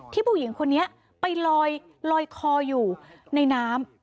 ผู้หญิงคนนี้ไปลอยคออยู่ในน้ำ